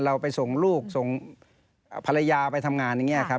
เราไปส่งลูกส่งภรรยาไปทำงานอย่างนี้ครับ